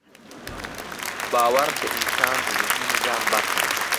باور د انسان د ذهني نظام برخه ده.